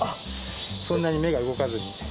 そんなに芽が動かずに。